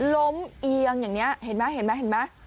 เอียงอย่างนี้เห็นไหมเห็นไหมเห็นไหม